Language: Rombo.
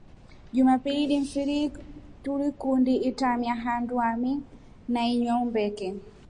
Jumapili ni mfiri tukundi itramia handu ami na inya mbeke.